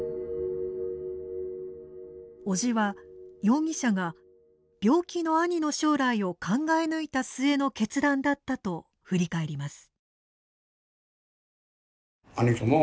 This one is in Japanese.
おじは容疑者が病気の兄の将来を考え抜いた末の決断だったと振り返ります。